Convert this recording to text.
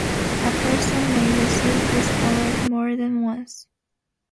A person may receive this award more than once.